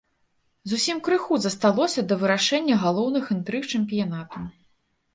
Зусім крыху засталося да вырашэння галоўных інтрыг чэмпіянату.